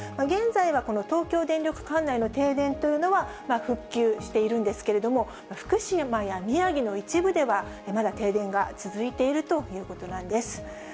現在はこの東京電力管内の停電というのは復旧しているんですけれども、福島や宮城の一部では、まだ停電が続いているということなんです。